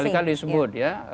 berkali kali disebut ya